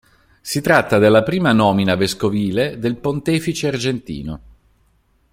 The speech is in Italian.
Si tratta della prima nomina vescovile del pontefice argentino.